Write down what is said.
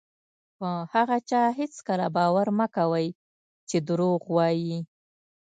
په هغه چا هېڅکله هم باور مه کوئ چې دروغ وایي.